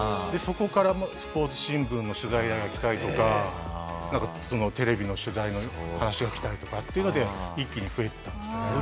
でそこからスポーツ新聞の取材依頼がきたりとかなんかテレビの取材の話がきたりとかっていうので一気に増えていったんですよね。